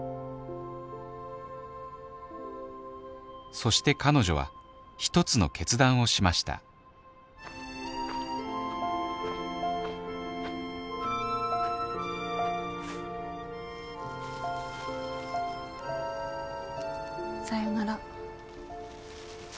そして彼女はひとつの決断をしましたさよなら。